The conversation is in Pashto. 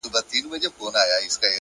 د تجربې ښوونځی تل پرانیستی وي,